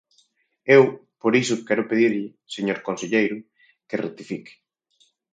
Eu, por iso, quero pedirlle, señor conselleiro, que rectifique.